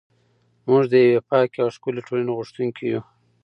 موږ د یوې پاکې او ښکلې ټولنې غوښتونکي یو.